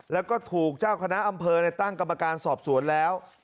แล้วก็ถูกเจ้าคณะอำเภอตั้งกรรมการสอบสวนแล้ว